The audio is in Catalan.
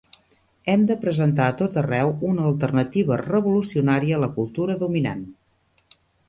Hem de presentar a tot arreu una alternativa revolucionària a la cultura dominant.